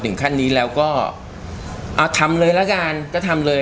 ขั้นนี้แล้วก็เอาทำเลยละกันก็ทำเลย